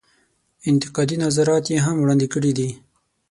انتقادي نظرات یې هم وړاندې کړي دي.